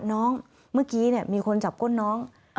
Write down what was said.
น้องเมื่อกี้มีคนจับก้นน้อง